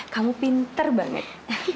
kamu pinter banget